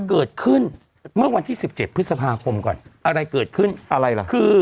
เกิดขึ้นเมื่อวันที่๑๗พฤษภาคมก่อนอะไรเกิดขึ้นอะไรล่ะคือ